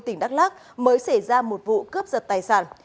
tỉnh đắk lắc mới xảy ra một vụ cướp giật tài sản